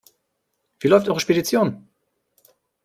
Wie läuft eure Spedition?